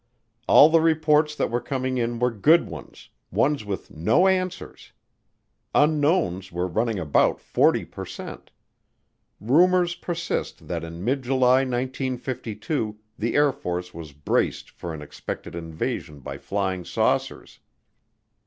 All the reports that were coming in were good ones, ones with no answers. Unknowns were running about 40 percent. Rumors persist that in mid July 1952 the Air Force was braced for an expected invasion by flying saucers.